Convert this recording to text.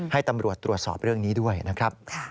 ให้ตำรวจตรวจสอบเรื่องนี้ด้วยนะครับ